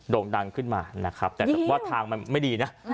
่งดังขึ้นมานะครับแต่ว่าทางมันไม่ดีนะ